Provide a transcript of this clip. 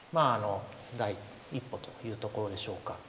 第一歩というところでしょうか。